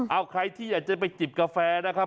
เอาใครที่อยากจะไปจิบกาแฟนะครับ